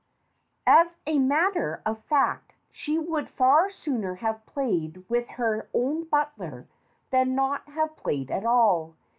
As a mat ter of fact, she would far sooner have played with her own butler than not have played at all.